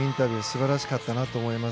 素晴らしかったなと思います。